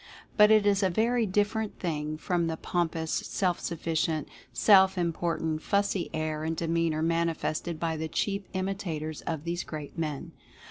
But it is a very different thing from the pompous, self sufficient, self important, fussy air and demeanor manifested by the cheap imitators of these great men.